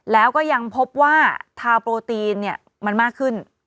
แล้วก็ยังพบว่าทาวน์โปรตีนมันมากขึ้น